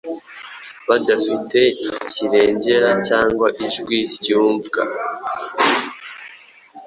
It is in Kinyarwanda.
badafite kirengera cyangwa ijwi ryumvwa